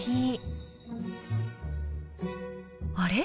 あれ？